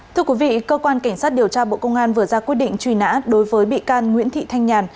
thưa quý vị cơ quan cảnh sát điều tra bộ công an vừa ra quyết định truy nã đối với bị can nguyễn thị thanh nhàn